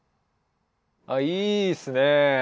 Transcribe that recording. いいっすね。